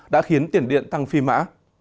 đã khiến tiền điện tăng phi mã